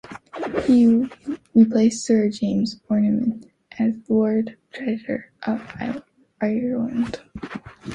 He replaced Sir James Ormonde as Lord Treasurer of Ireland.